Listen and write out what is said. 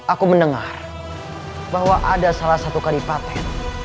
aku mendengar bahwa ada salah satu kadipaten